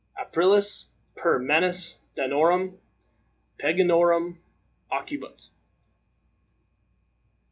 APRILIS, PER MANUS DANORUM PAGANORUM, OCCUBUIT."